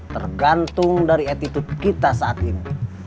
tergantung dari attitude kita saat ini